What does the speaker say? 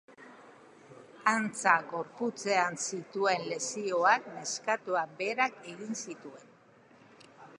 Antza, gorputzean zituen lesioak neskatoak berak egin zituen.